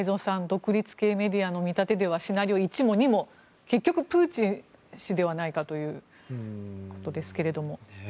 独立系メディアの見立てではシナリオ１も２も結局プーチン氏ではないかということですが。